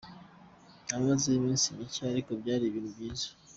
Namazeyo iminsi mike ariko byari ibintu byiza.